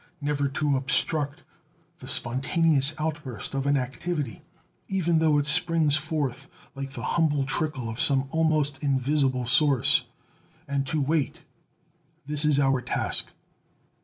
"Never to obstruct the spontaneous outburst of an activity, even though it springs forth like the humble trickle of some almost invisible source," and "to wait" this is our task.